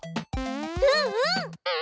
うんうん！